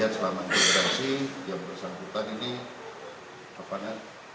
yang bersangkutan ini